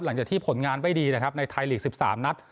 หลังจากที่ผลงานไม่ดีนะครับในไทยลีก๑๓นัด